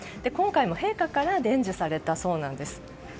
今回も陛下から伝授されたそうなんです。